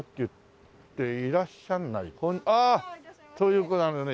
ああ！という事であのね